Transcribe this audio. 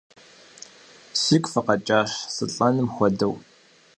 Сигу фыкъэкӀащ сылӀэным хуэдэу!